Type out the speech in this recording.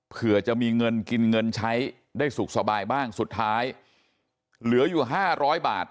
เผื่อจะมีเงินกินเงินใช้ได้สุขสบายบ้างสุดท้ายเหลืออยู่๕๐๐บาท